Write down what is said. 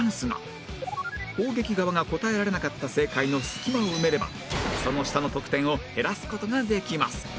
攻撃側が答えられなかった正解の隙間を埋めればその下の得点を減らす事ができます